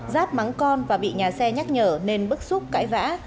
giáp mắng con và bị nhà xe nhắc nhở nên bức xúc cãi vã